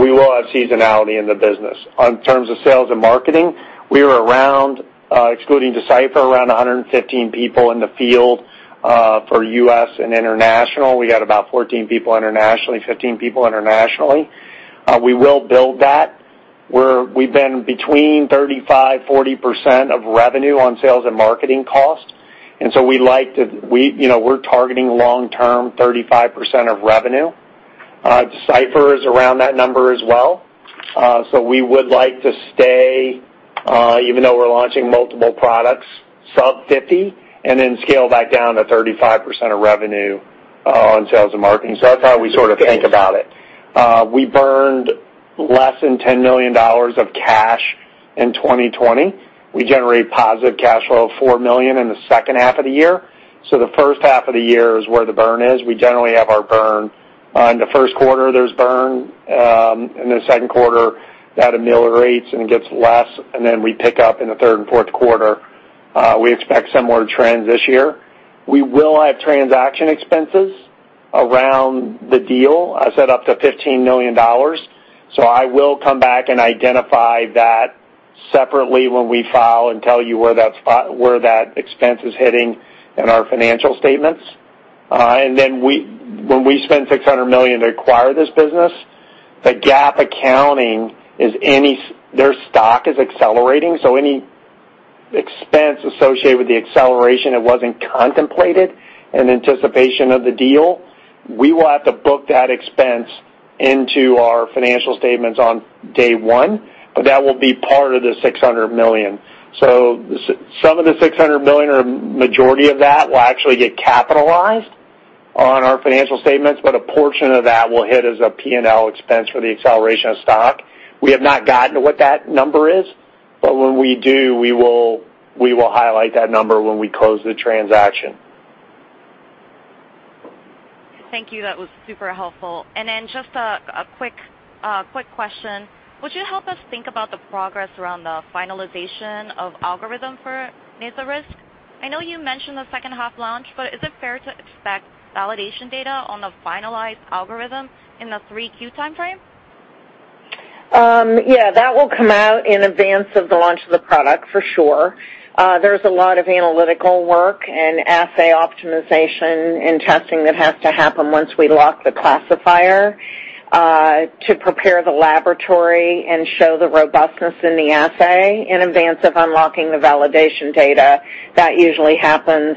We will have seasonality in the business. In terms of sales and marketing, we were around, excluding Decipher, around 115 people in the field for U.S. and international. We got about 14 people internationally, 15 people internationally. We will build that. We've been between 35%-40% of revenue on sales and marketing costs, we're targeting long-term 35% of revenue. Decipher is around that number as well. We would like to stay, even though we're launching multiple products, sub 50% and then scale back down to 35% of revenue on sales and marketing. That's how we sort of think about it. We burned less than $10 million of cash in 2020. We generated positive cash flow of $4 million in the second half of the year. The first half of the year is where the burn is. We generally have our burn in the first quarter. There's burn in the second quarter. That ameliorates and gets less, and then we pick up in the third and fourth quarter. We expect similar trends this year. We will have transaction expenses around the deal. I said up to $15 million. I will come back and identify that separately when we file and tell you where that expense is hitting in our financial statements. When we spend $600 million to acquire this business, the GAAP accounting is their stock is accelerating, so any expense associated with the acceleration that wasn't contemplated in anticipation of the deal, we will have to book that expense into our financial statements on day one, but that will be part of the $600 million. Some of the $600 million, or majority of that, will actually get capitalized on our financial statements, but a portion of that will hit as a P&L expense for the acceleration of stock. We have not gotten to what that number is, but when we do, we will highlight that number when we close the transaction. Thank you. That was super helpful. Just a quick question. Would you help us think about the progress around the finalization of algorithm for Decipher Risk? I know you mentioned the second half launch, is it fair to expect validation data on the finalized algorithm in the 3Q timeframe? Yeah, that will come out in advance of the launch of the product for sure. There's a lot of analytical work and assay optimization and testing that has to happen once we lock the classifier to prepare the laboratory and show the robustness in the assay in advance of unlocking the validation data. That usually happens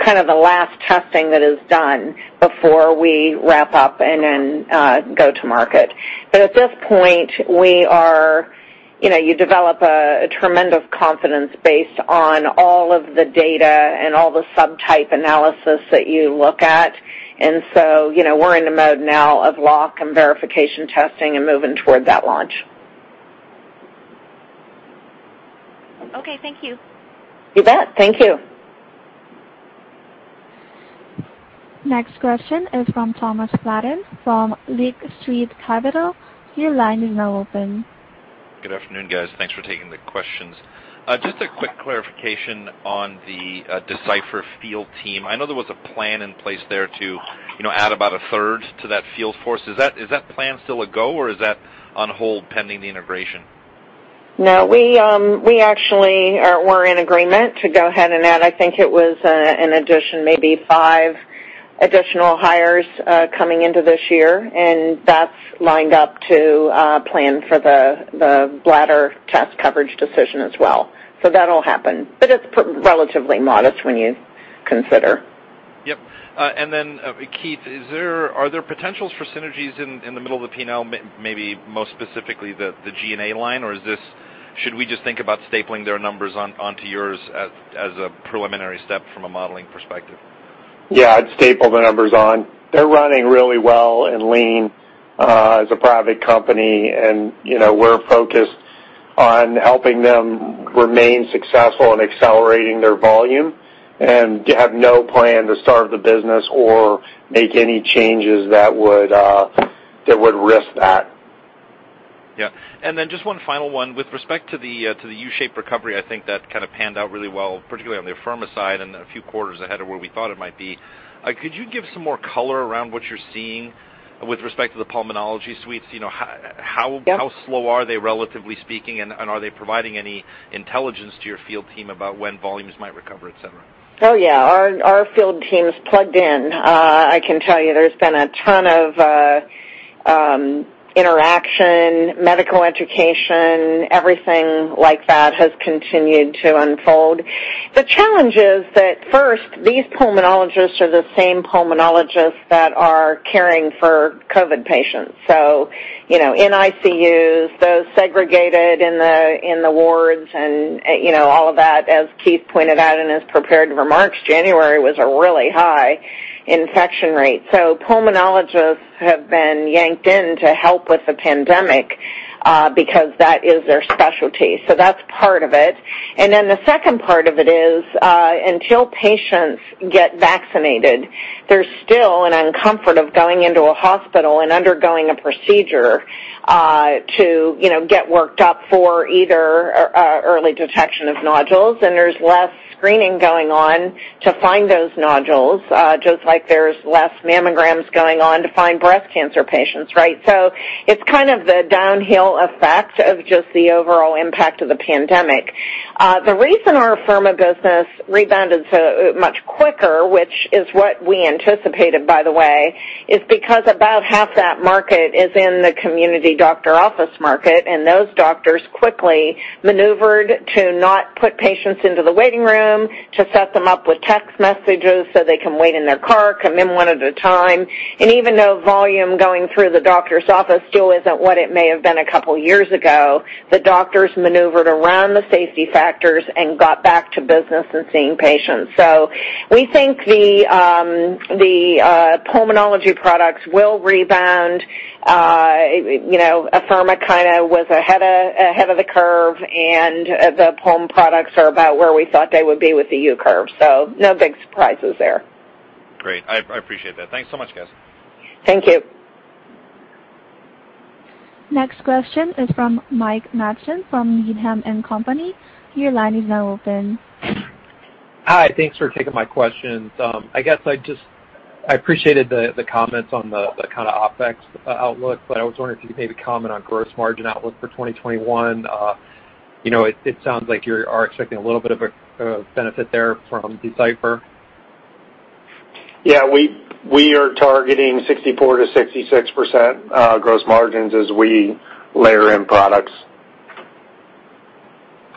kind of the last testing that is done before we wrap up and then go to market. At this point, you develop a tremendous confidence based on all of the data and all the subtype analysis that you look at. We're in the mode now of lock and verification testing and moving toward that launch. Okay, thank you. You bet. Thank you. Next question is from Thomas Flaten from Lake Street Capital. Your line is now open. Good afternoon, guys. Thanks for taking the questions. Just a quick clarification on the Decipher field team. I know there was a plan in place there to add about a third to that field force. Is that plan still a go, or is that on hold pending the integration? No. We actually were in agreement to go ahead and add, I think it was, an addition, maybe five additional hires, coming into this year, and that's lined up to plan for the bladder test coverage decision as well. That'll happen. It's relatively modest when you consider. Yep. Keith, are there potentials for synergies in the middle of the P&L, maybe most specifically the G&A line? Should we just think about stapling their numbers onto yours as a preliminary step from a modeling perspective? Yeah, I'd staple the numbers on. They're running really well and lean as a private company, and we're focused on helping them remain successful in accelerating their volume and have no plan to starve the business or make any changes that would risk that. Yeah. Just one final one. With respect to the U-shaped recovery, I think that kind of panned out really well, particularly on the Afirma side and a few quarters ahead of where we thought it might be. Could you give some more color around what you're seeing with respect to the pulmonology suites? Yep. How slow are they, relatively speaking, and are they providing any intelligence to your field team about when volumes might recover, et cetera? Oh, yeah. Our field team's plugged in. I can tell you there's been a ton of interaction, medical education, everything like that has continued to unfold. The challenge is that first, these pulmonologists are the same pulmonologists that are caring for COVID patients. In ICUs, those segregated in the wards, and all of that. As Keith pointed out in his prepared remarks, January was a really high infection rate. Pulmonologists have been yanked in to help with the pandemic, because that is their specialty. That's part of it. The second part of it is, until patients get vaccinated, there's still an uncomfort of going into a hospital and undergoing a procedure, to get worked up for either early detection of nodules, and there's less screening going on to find those nodules, just like there's less mammograms going on to find breast cancer patients. It's kind of the downhill effect of just the overall impact of the pandemic. The reason our Afirma business rebounded so much quicker, which is what we anticipated, by the way, is because about half that market is in the community doctor office market, and those doctors quickly maneuvered to not put patients into the waiting room, to set them up with text messages so they can wait in their car, come in one at a time. Even though volume going through the doctor's office still isn't what it may have been a couple years ago, the doctors maneuvered around the safety factors and got back to business and seeing patients. We think the pulmonology products will rebound. Afirma kind of was ahead of the curve, and the pulm products are about where we thought they would be with the U-curve. No big surprises there. Great. I appreciate that. Thanks so much, guys. Thank you. Next question is from Mike Matson from Needham & Company. Your line is now open. Hi. Thanks for taking my questions. I guess I appreciated the comments on the kind of OpEx outlook. I was wondering if you could maybe comment on gross margin outlook for 2021. It sounds like you are expecting a little bit of a benefit there from Decipher. Yeah, we are targeting 64%-66% gross margins as we layer in products.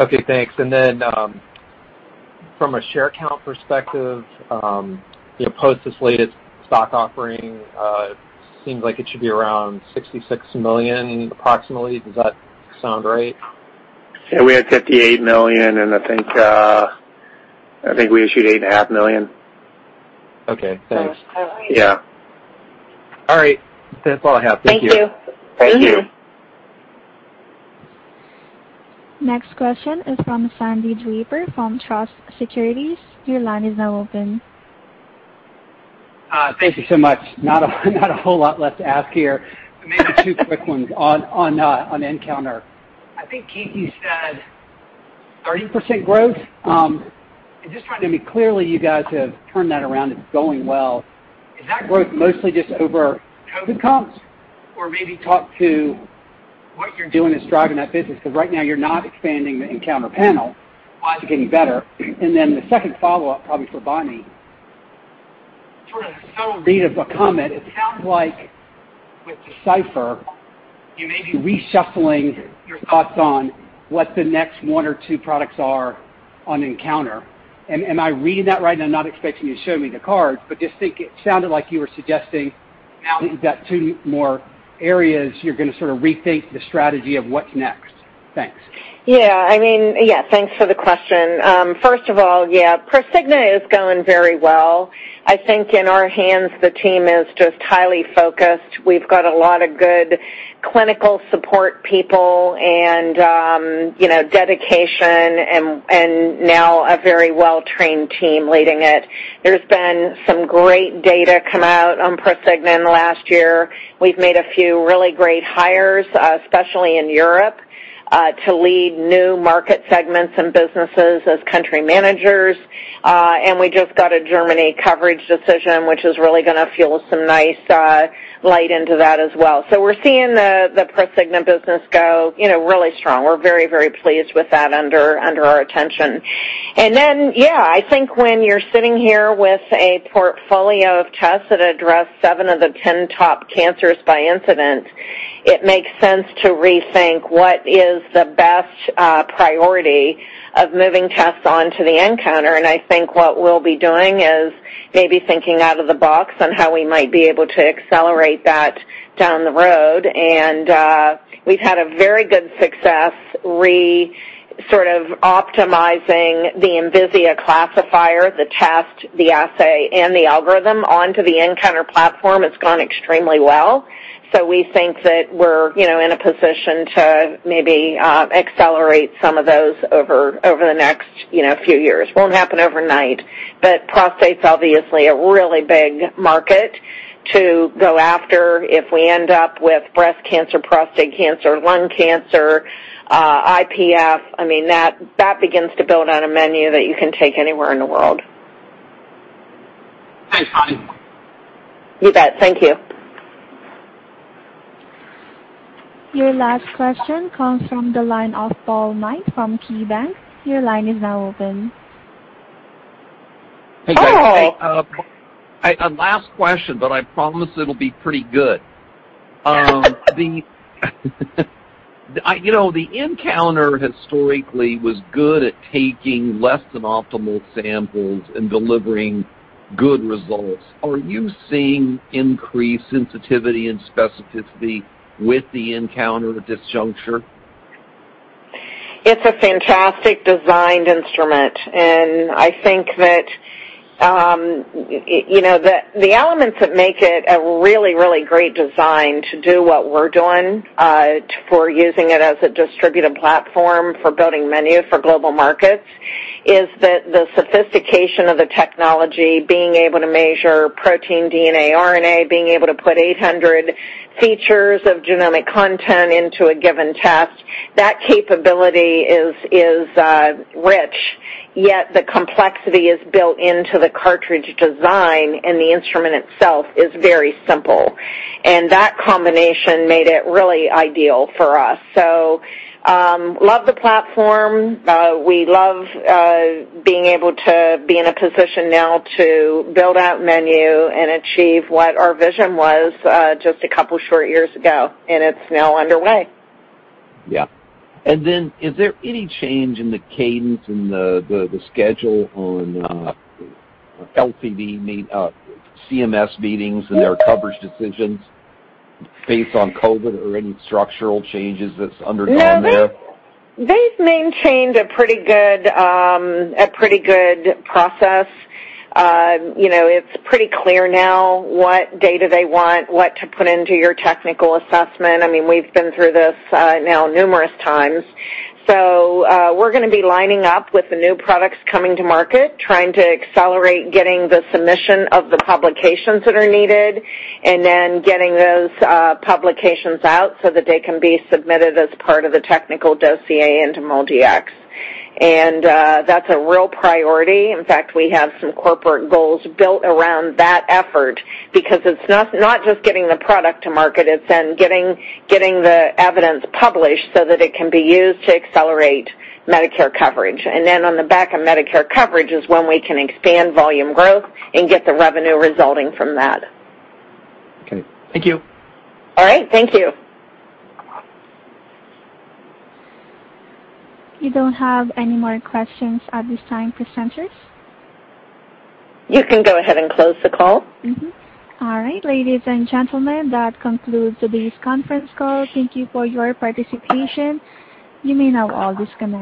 Okay, thanks. Then, from a share count perspective, post this latest stock offering, seems like it should be around $66 million approximately. Does that sound right? Yeah, we had $58 million, and I think we. Okay, thanks. Yeah. All right. That's all I have. Thank you. Thank you. Thank you. Next question is from Sandy Draper from Truist Securities. Your line is now open. Thank you so much. Not a whole lot left to ask here. Maybe two quick ones on nCounter. I think, Keith, you said 30% growth? I mean, clearly you guys have turned that around. It's going well. Is that growth mostly just over COVID comps? Or maybe talk to what you're doing that's driving that business, because right now, you're not expanding the nCounter panel. Why is it getting better? The second follow-up, probably for Bonnie, sort of subtle read of a comment. It sounds like with Decipher, you may be reshuffling your thoughts on what the next one or two products are on nCounter. Am I reading that right? I'm not expecting you to show me the cards, but just think it sounded like you were suggesting now that you've got two more areas, you're going to sort of rethink the strategy of what's next. Thanks. Yeah. Thanks for the question. First of all, yeah, Prosigna is going very well. I think in our hands, the team is just highly focused. We've got a lot of good clinical support people and dedication and now a very well-trained team leading it. There's been some great data come out on Prosigna in the last year. We've made a few really great hires, especially in Europe, to lead new market segments and businesses as country managers. We just got a Germany coverage decision, which is really going to fuel some nice light into that as well. We're seeing the Prosigna business go really strong. We're very, very pleased with that under our attention. Yeah, I think when you're sitting here with a portfolio of tests that address seven of the 10 top cancers by incident, it makes sense to rethink what is the best priority of moving tests onto the nCounter, and I think what we'll be doing is maybe thinking out of the box on how we might be able to accelerate that down the road. We've had a very good success re-optimizing the Envisia classifier, the test, the assay, and the algorithm onto the nCounter platform. It's gone extremely well. We think that we're in a position to maybe accelerate some of those over the next few years. Won't happen overnight, but prostate's obviously a really big market to go after. If we end up with breast cancer, prostate cancer, lung cancer, IPF, that begins to build on a menu that you can take anywhere in the world. Thanks, Bonnie. You bet. Thank you. Your last question comes from the line of Paul Knight from KeyBanc. Your line is now open. Hey, guys. A last question. I promise it'll be pretty good. The nCounter historically was good at taking less than optimal samples and delivering good results. Are you seeing increased sensitivity and specificity with the nCounter at this juncture? It's a fantastic designed instrument, and I think that the elements that make it a really, really great design to do what we're doing for using it as a distributed platform for building menu for global markets, is that the sophistication of the technology, being able to measure protein, DNA, RNA, being able to put 800 features of genomic content into a given test, that capability is rich, yet the complexity is built into the cartridge design, and the instrument itself is very simple. That combination made it really ideal for us. Love the platform. We love being able to be in a position now to build out menu and achieve what our vision was just a couple short years ago, and it's now underway. Yeah. Is there any change in the cadence in the schedule on CMS meetings and their coverage decisions based on COVID or any structural changes that's undergone there? No, they've maintained a pretty good process. It's pretty clear now what data they want, what to put into your technical assessment. We've been through these now numerous times. We're going to be lining up with the new products coming to market, trying to accelerate getting the submission of the publications that are needed, and then getting those publications out so that they can be submitted as part of the technical dossier into MolDX. That's a real priority. In fact, we have some corporate goals built around that effort because it's not just getting the product to market, it's then getting the evidence published so that it can be used to accelerate Medicare coverage. On the back of Medicare coverage is when we can expand volume growth and get the revenue resulting from that. Okay. Thank you. All right. Thank you. You don't have any more questions at this time, presenters. You can go ahead and close the call. All right. Ladies and gentlemen, that concludes today's conference call. Thank you for your participation. You may now all disconnect.